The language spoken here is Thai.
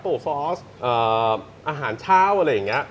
ฟอสอาหารเช้าอะไรอย่างนี้